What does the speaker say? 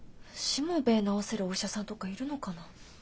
しもべえ治せるお医者さんとかいるのかな。